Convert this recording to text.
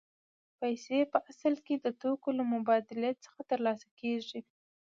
پیسې په اصل کې د توکو له مبادلې څخه ترلاسه کېږي